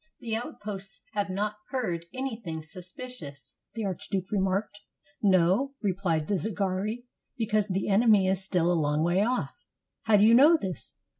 " The outposts have not heard anything suspicious," the archduke remarked. "No," replied the Zingari, "because the enemy is still a long way off." "How do you know this?"